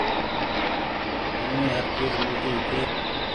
همني هر چئيز ملتي هيتي۔